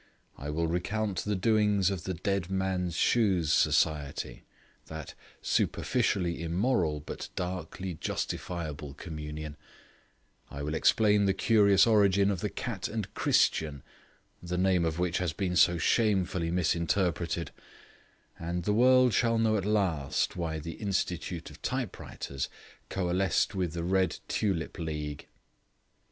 I will recount the doings of the Dead Man's Shoes Society (that superficially immoral, but darkly justifiable communion); I will explain the curious origin of the Cat and Christian, the name of which has been so shamefully misinterpreted; and the world shall know at last why the Institute of Typewriters coalesced with the Red Tulip League.